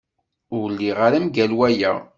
Ur lliɣ ara mgal waya.